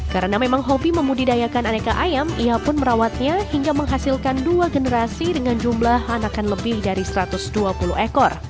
karena memang hobi membudidayakan aneka ayam ia pun merawatnya hingga menghasilkan dua generasi dengan jumlah anakan lebih dari satu ratus dua puluh ekor